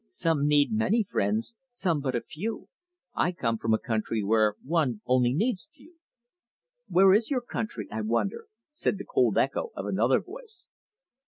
"Some need many friends, some but a few. I come from a country where one only needs a few." "Where is your country, I wonder?" said the cold echo of another voice.